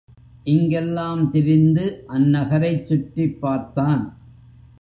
இங்கெல்லாம் திரிந்து அந் நகரைச் சுற்றிப் பார்த்தான்.